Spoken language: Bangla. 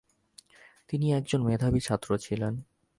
তিনি একজন মেধাবী ছাত্র ছিলেন।